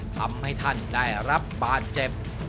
ทำให้ท่านได้รับบาดเจ็บ